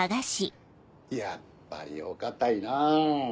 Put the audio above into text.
やっぱりお堅いな。